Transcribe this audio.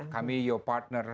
kami your partner